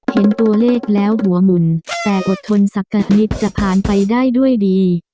เห็นตัวเลขแล้วหัวหมุนแต่อดทนสักกัดนิดจะผ่านไปได้ด้วยดี